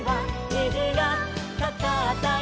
「にじがかかったよ」